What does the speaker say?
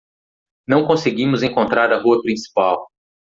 Não conseguimos encontrar a rua principal.